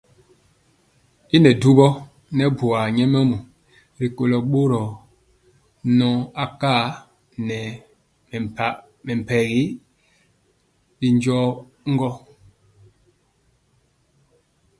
Y nɛ dubɔ nɛ buar nyɛmemɔ rikolo boro nɔ akar nɛ mepempɔ mɛmpegi bɛndiɔ gɔ.